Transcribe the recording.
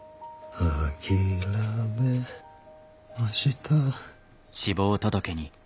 「あきらめました」